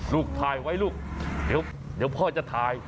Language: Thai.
ลูกถ่ายไว้ลูกเดี๋ยวพ่อจะถ่าย